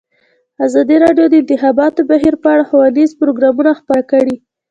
ازادي راډیو د د انتخاباتو بهیر په اړه ښوونیز پروګرامونه خپاره کړي.